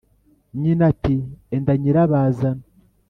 nyina ati ‘enda nyirabazana,